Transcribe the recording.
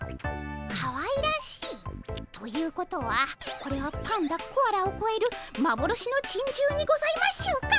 かわいらしい？ということはこれはパンダコアラをこえるまぼろしのちんじゅうにございましょうか。